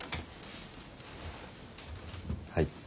はい。